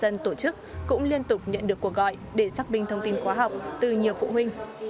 học viện kỳ sát nhân tổ chức cũng liên tục nhận được cuộc gọi để xác binh thông tin khóa học từ nhiều phụ huynh